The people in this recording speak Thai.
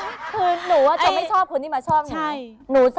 คือหนูว่าจะไม่ชอบคนที่มาช่องนี้